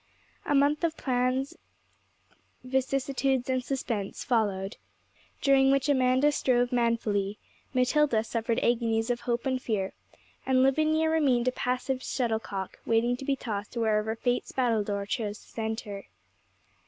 A month of plans, vicissitudes, and suspense followed, during which Amanda strove manfully; Matilda suffered agonies of hope and fear; and Lavinia remained a passive shuttlecock, waiting to be tossed wherever Fate's battledore chose to send her.